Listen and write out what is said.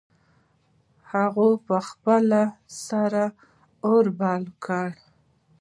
هغې په خپل سر اور بل کړ